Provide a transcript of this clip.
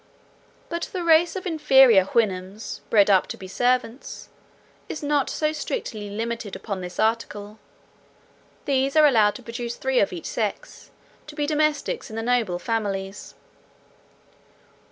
But the race of inferior Houyhnhnms, bred up to be servants, is not so strictly limited upon this article: these are allowed to produce three of each sex, to be domestics in the noble families.